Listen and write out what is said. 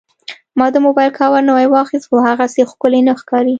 ما د موبایل کاور نوی واخیست، خو هغسې ښکلی نه ښکاري.